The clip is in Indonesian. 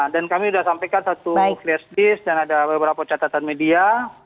dan kami sudah sampaikan satu flash disk dan ada beberapa catatan media